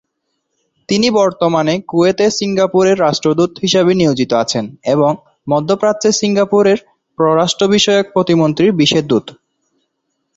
তিনি বর্তমানে কুয়েতে সিঙ্গাপুরের রাষ্ট্রদূত হিসেবে নিয়োজিত আছেন এবং মধ্যপ্রাচ্যে, সিঙ্গাপুরের পররাষ্ট্র বিষয়ক প্রতিমন্ত্রীর বিশেষ দূত।